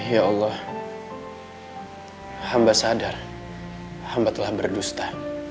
ya allah hamba sadar hamba telah berdusta